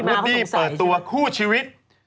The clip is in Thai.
ูดดี้เปิดตัวคู่ชีวิต